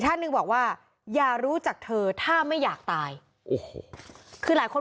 ท่านหนึ่งบอกว่าอย่ารู้จักเธอถ้าไม่อยากตายโอ้โหคือหลายคน